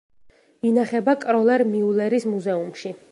ინახება კროლერ-მიულერის მუზეუმში.